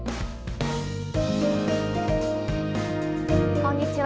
こんにちは。